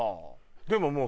でももう。